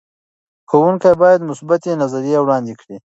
ښوونکي باید مثبتې نظریې وړاندې کړي.